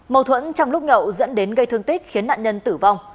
mâu thuẫn trong lúc nhậu dẫn đến gây thương tích khiến nạn nhân tử vong